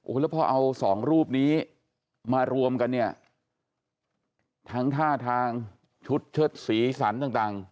แล้วพอเอาสองรูปนี้มารวมกันเนี่ยทั้งท่าทางชุดเชิดสีสันต่าง